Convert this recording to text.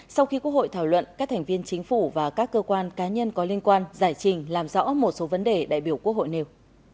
sau khi quốc hội thảo luận các thành viên chính phủ và các cơ quan cá nhân có liên quan giải trình làm rõ một số vấn đề đại biểu quốc hội nêu